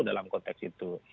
dalam konteks itu